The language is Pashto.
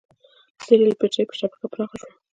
د ریل پټلۍ شبکه پراخه شوه.